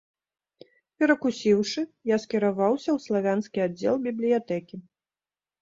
Перакусіўшы, я скіраваўся ў славянскі аддзел бібліятэкі.